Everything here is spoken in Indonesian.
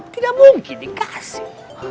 tidak mungkin dikasih